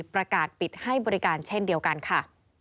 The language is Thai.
ประกาศปิดให้บริการเช่นเดียวกันค่ะ